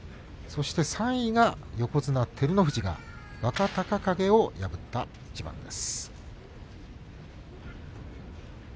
３位が横綱照ノ富士が若隆景を破った一番です。